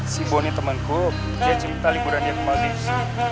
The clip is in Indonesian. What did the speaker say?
si bonny temenku dia cinta liburan dia ke maldives